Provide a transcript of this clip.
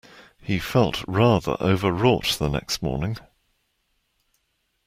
He felt rather overwrought the next morning.